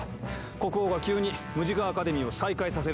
国王が急にムジカ・アカデミーを再開させるなんて。